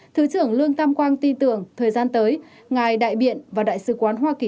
thứ trưởng lương tam quang tin tưởng thời gian tới ngài đại biện và đại sứ quán hoa kỳ